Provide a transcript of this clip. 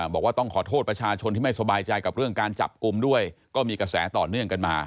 บอกว่าต้องขอโทษประชาชนที่ไม่สบายใจกับเรื่องการจับกลุ่มด้วยก็มีกระแสต่อเนื่องกันมา